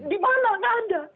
di mana nggak ada